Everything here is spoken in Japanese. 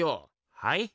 はい？